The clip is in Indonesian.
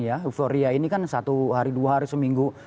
euforia ini kan satu hari dua hari seminggu